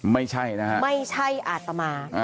ไม่ใช่นะฮะไม่ใช่อาตมา